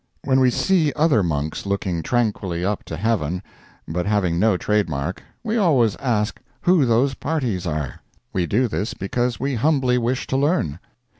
When we see other monks looking tranquilly up to heaven, but having no trade mark, we always ask who those parties are. We do this because we humbly wish to learn.